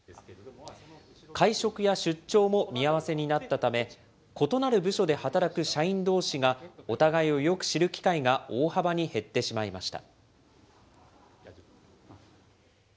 会食や出張も見合わせになったため、異なる部署で働く社員どうしが、お互いをよく知る機会が大幅に減ってしまいました。